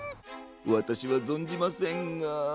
わたしはぞんじませんが。